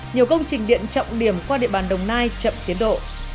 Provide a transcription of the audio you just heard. nhiều công trình điện trọng điểm qua địa bàn đồng nai chậm tiến độ